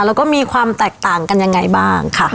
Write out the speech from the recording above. แล้วก็มีความแตกต่างกันยังไงบ้างค่ะ